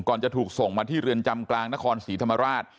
จะถูกส่งมาที่เรือนจำกลางนครศรีธรรมราช